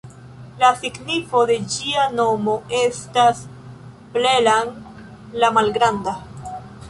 La signifo de ĝia nomo estas "Plelan"-la-malgranda.